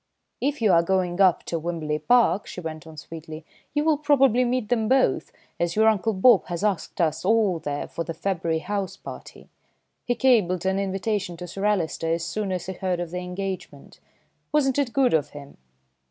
"If you are going up to Wimberley Park," she went on sweetly, "you will probably meet them both, as your Uncle Bob has asked us all there for the February house party. He cabled an invitation to Sir Alister as soon as he heard of the engagement. Wasn't it good of him?"